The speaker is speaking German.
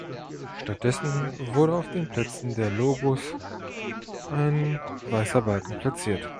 Stattdessen wurde auf den Plätzen der Logos ein weißer Balken platziert.